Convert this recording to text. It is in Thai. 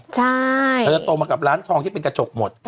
ใช่เธอจะโตมากับร้านทองที่เป็นกระจกหมด